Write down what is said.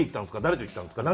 誰と行ったんですか？